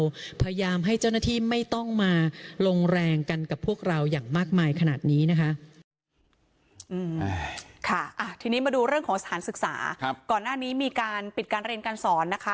ก็พยายามให้เจ้าหน้าที่ไม่ต้องมาลงแรงกันกับพวกเราอย่างมากมายขนาดนี้นะคะ